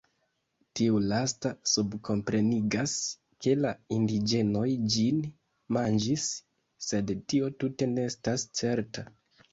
Tiu lasta subkomprenigas, ke la indiĝenoj ĝin manĝis, sed tio tute ne estas certa.